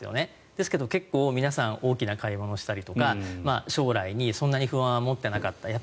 ですけど結構、皆さん大きな買い物をしたりとか将来にそんなに不安を持っていなかった。